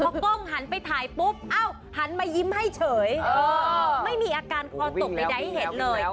พอกล้องหันไปถ่ายปุ๊บหันมายิ้มให้เฉยไม่มีอาการคอตกใดให้เห็นเลย